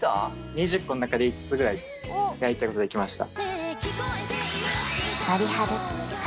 ２０個の中で５つぐらいやりたいことできました